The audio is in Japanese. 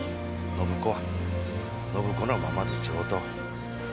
暢子は暢子のままで上等。